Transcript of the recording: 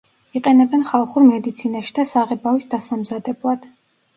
იყენებენ ხალხურ მედიცინაში და საღებავის დასამზადებლად.